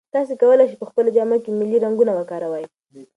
تاسي کولای شئ په خپلو جامو کې ملي رنګونه وکاروئ.